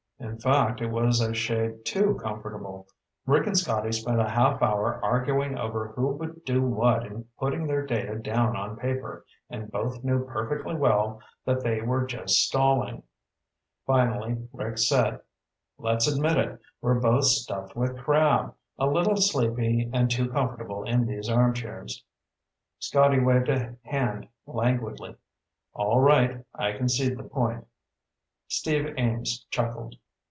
In fact, it was a shade too comfortable. Rick and Scotty spent a half hour arguing over who would do what in putting their data down on paper, and both knew perfectly well that they were just stalling. Finally Rick said, "Let's admit it. We're both stuffed with crab, a little sleepy, and too comfortable in these armchairs." Scotty waved a hand languidly. "All right. I concede the point." Steve Ames chuckled.